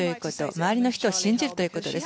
周りの人を信じるということです。